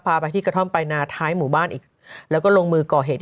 พาไปที่กระท่อมปลายนาท้ายหมู่บ้านอีกแล้วก็ลงมือก่อเหตุ